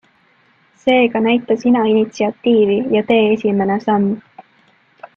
Seega näita sina initsiatiivi ja tee esimene samm.